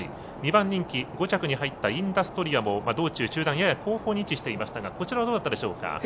２番人気、５着に入ったインダストリアもやや後方に位置していましたがこちらはどうだったでしょうか？